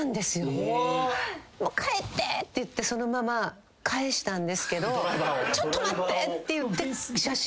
帰って！って言ってそのまま帰したんですけどちょっと待ってって言って。